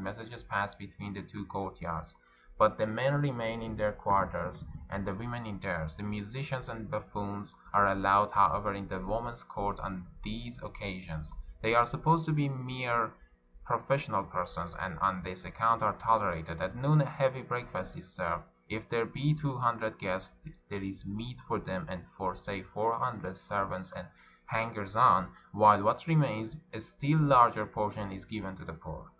Messages pass between the two courtyards. But the men remain in their quarters, and 418 A PERSIAN WEDDING the women in theirs. The musicians and buffoons are allowed, however, in the women's court on these occa sions: they arc supposed to be mere professional persons, and on this account arc tolerated. At noon a heavy breakfast is served. If there be two hundred guests, there is meat for them and for, say, four hundred serv ants and hangers on, while what remains, a still larger portion, is given to the poor.